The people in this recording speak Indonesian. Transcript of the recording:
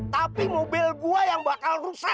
tapi mobil gua yang bakal rusak